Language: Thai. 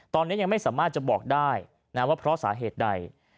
ตอนนี้ยังไม่สามารถจะบอกได้นะว่าเพราะสาเหตุใด